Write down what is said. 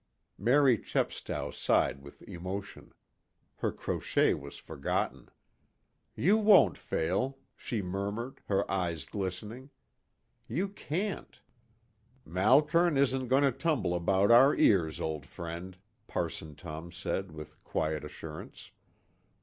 Mary Chepstow sighed with emotion. Her crochet was forgotten. "You won't fail," she murmured, her eyes glistening. "You can't!" "Malkern isn't going to tumble about our ears, old friend," Parson Tom said with quiet assurance.